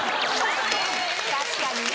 確かにね。